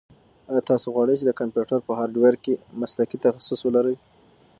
ایا تاسو غواړئ چې د کمپیوټر په هارډویر کې مسلکي تخصص ولرئ؟